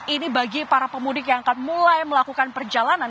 ini bagi para pemudik yang akan mulai melakukan perjalanan